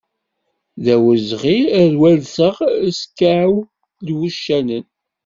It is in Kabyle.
D awezɣi ad wenseɣ askiɛew n wucanen.